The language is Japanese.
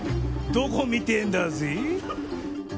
どこ見てるんだぜぇ？